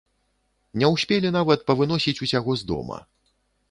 Не ўспелі нават павыносіць усяго з дома.